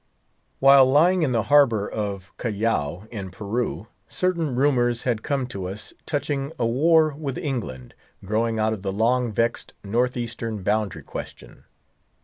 While lying in the harbour of Callao, in Peru, certain rumours had come to us touching a war with England, growing out of the long vexed Northeastern Boundary Question.